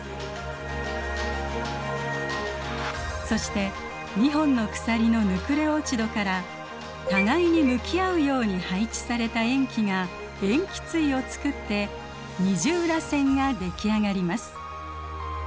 そして２本の鎖のヌクレオチドから互いに向き合うように配置された塩基が塩基対をつくって二重らせんが出来上がります。